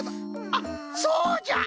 あっそうじゃ！